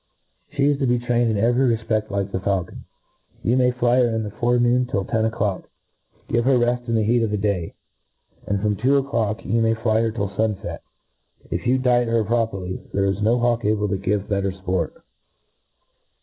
She is to be trained in every re^a like the faulcon. You may fly her in the forenoon till ten o'clock ; give her reft in the heat of the day ; and from two o'clock you may fly her till fun fet^ Jf you diet her properly, there is jio hawk able to give better fport# You MODERN FAULCONRY.